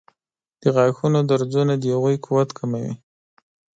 د غاښونو درزونه د هغوی قوت کموي.